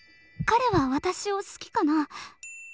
彼は私を好きかな？